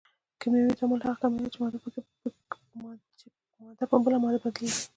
کیمیاوي تعامل هغه عملیه ده چې ماده په بله ماده بدلیږي.